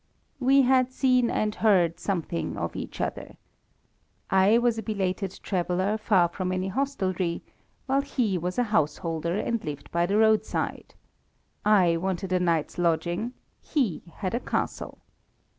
We had seen and heard something of each other. I was a belated traveller far from any hostelry, while he was a householder and lived by the roadside, I wanted a night's lodging, he had a castle.